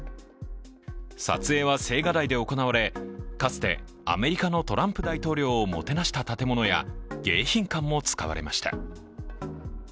撮影は青瓦台で行われ、かつてアメリカのトランプ大統領をもてなした建物や迎賓館も使われました。